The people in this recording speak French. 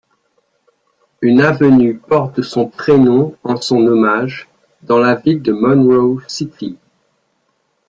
Une avenue porte son prénom en son hommage dans la ville de Monroe City.